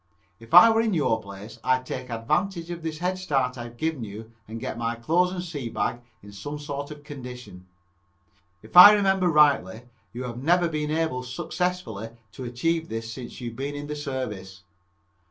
If I were in your place I'd take advantage of this head start I have given you and get my clothes and sea bag in some sort of condition. If I remember rightly, you have never been able successfully to achieve this since you've been in the service."